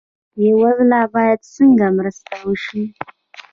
بې وزله باید څنګه مرسته شي؟